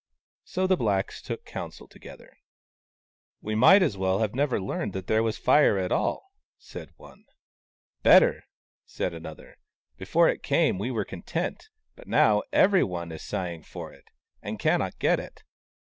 So the blacks took counsel together. " We might as well have never learned that there was Fire at all," said one. " Better," said another. " Before it came, we were content : but now, every one is sighing for it, and cannot get it."